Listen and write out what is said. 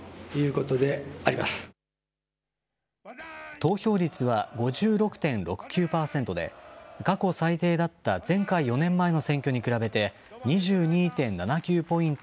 投票率は５６．６９％で、過去最低だった前回・４年前の選挙に比べて２２．７９ポイント